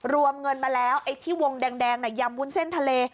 รวมเงินมาแล้วไอ้ที่วงแดงยำวุ้นเส้นทะเล